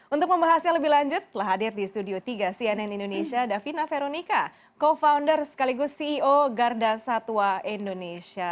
untuk membahasnya lebih lanjut telah hadir di studio tiga cnn indonesia davina veronica co founder sekaligus ceo garda satwa indonesia